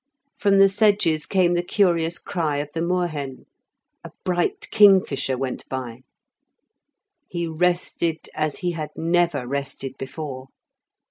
From the sedges came the curious cry of the moorhen; a bright kingfisher went by. He rested as he had never rested before.